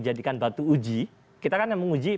jadikan batu uji kita kan yang menguji